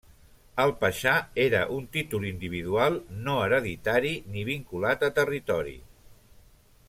El paixà era un títol individual, no hereditari ni vinculat a territori.